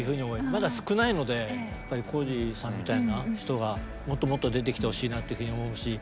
まだ少ないのでやっぱり浩二さんみたいな人がもっともっと出てきてほしいなっていうふうに思うし。